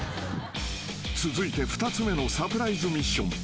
［続いて２つ目のサプライズミッション］